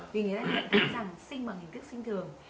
vì người ta nhận thức rằng sinh bằng hình thức sinh thường